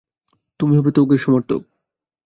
তুমি হবে তোগের সমর্থক।